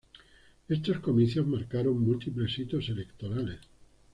Estos comicios marcaron múltiples hitos electorales.